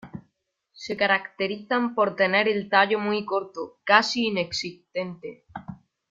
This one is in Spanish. Se caracterizan por tener el tallo muy corto, casi inexistente.